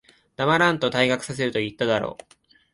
黙らんと、退学させると言っただろ。